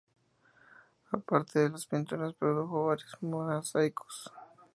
Aparte de las pinturas, produjo varios mosaicos.